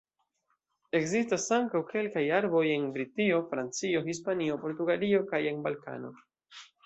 Ekzistas ankaŭ kelkaj arboj en Britio, Francio, Hispanio, Portugalio kaj en Balkano.